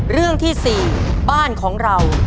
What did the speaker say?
เรื่องที่๔บ้านของเรา